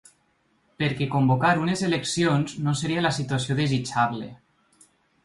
Perquè convocar unes eleccions no seria la situació desitjable.